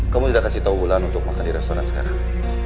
kamu tidak kasih tahu bulan untuk makan di restoran sekarang